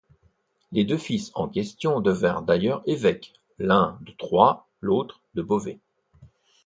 Les deux fils en question devinrent d'ailleurs évêques, l'un de Troyes, l'autre de Beauvais.